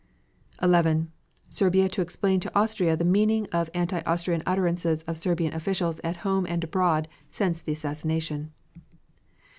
11. Serbia to explain to Austria the meaning of anti Austrian utterances of Serbian officials at home and abroad, since the assassination.